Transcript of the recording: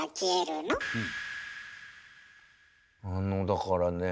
あのだからねぇ。